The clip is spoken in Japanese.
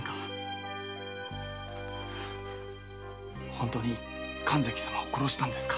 本当に神崎様を殺したんですか？